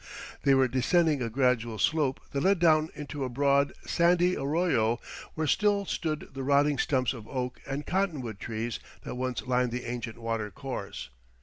They were descending a gradual slope that led down into a broad, sandy arroyo where still stood the rotting stumps of oak and cottonwood trees that once lined the ancient water course.